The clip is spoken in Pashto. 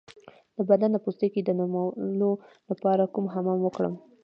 د بدن د پوستکي د نرمولو لپاره کوم حمام وکړم؟